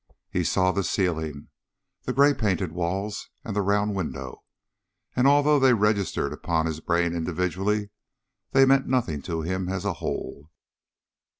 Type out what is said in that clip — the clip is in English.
He saw the ceiling, the grey painted walls, and the round window, and although they registered upon his brain individually, they meant nothing to him as a whole.